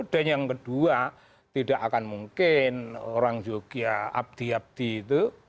dan yang kedua tidak akan mungkin orang jogya abdi abdi itu